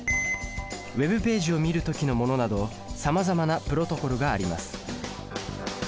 Ｗｅｂページを見る時のものなどさまざまなプロトコルがあります。